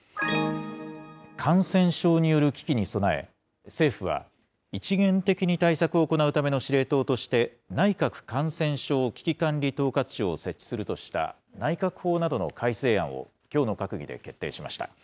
感染症による危機に備え、政府は、一元的に対策を行うための司令塔として、内閣感染症危機管理統括庁を設置するとした内閣法などの改正案を、きょうの閣議で決定しました。